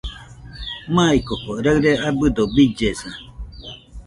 Maikoko raɨre abɨdo billesa